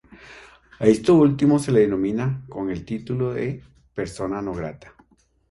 A esto último se le denomina con el título de "persona no grata".